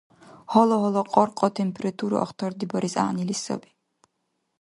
Гьала-гьала кьаркьа температура ахтардибарес гӀягӀнили саби.